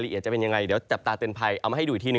เที่ยงคืน๒๓นาที